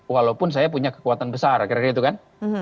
walaupun saya punya kekuatan besar kira kira itu kan